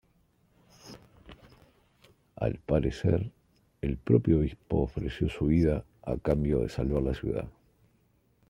Al parecer, el propio obispo ofreció su vida a cambio de salvar la ciudad.